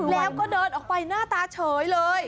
แล้วก็เดินออกไปหน้าตาเฉยเลย